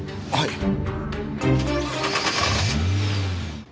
はい！